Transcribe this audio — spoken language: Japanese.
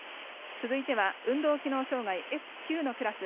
続いては運動機能障がいＳ９のクラス。